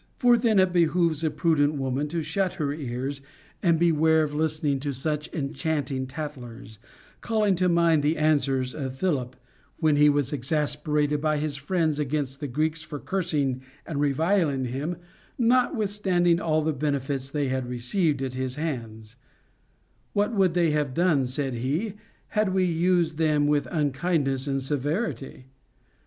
For then it behooves a prudent woman to shut her ears and beware of listening to such enchanting tattlers, calling to mind the answer of Philip, when he was exasperated by his friends against the Greeks for cursing and reviling him, notwithstanding all the benefits they had received at his hands : What would they have done, said he, had we used them with unkindness and severity'?